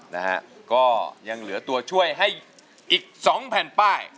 นะฮะก็ยังเหลือตัวช่วยให้อีกสองแผ่นป้าย